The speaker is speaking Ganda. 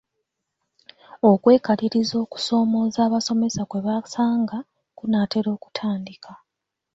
Okwekaliriza okusoomooza abasomesa kwe basanga kunaatera okutandika.